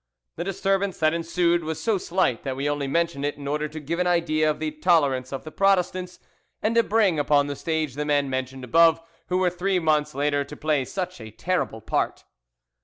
The disturbance that ensued was so slight that we only mention it in order to give an idea of the tolerance of the Protestants, and to bring upon the stage the men mentioned above, who were three months later to play such a terrible part.